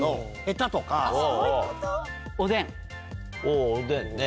おぉおでんね。